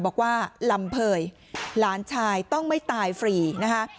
บอกว่าลำเภยหลานชายต้องไม่ตายฟรีนะคะ